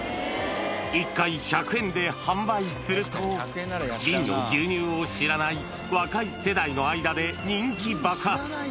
１回１００円で販売すると、瓶の牛乳を知らない若い世代の間で人気爆発。